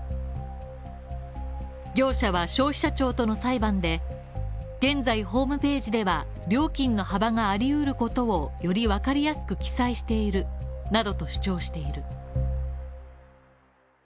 業者は消費者庁との裁判で、現在ホームページでは、料金の幅がありうることを、よりわかりやすく記載しているなどと主張している。